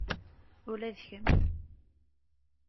Ula d kemm.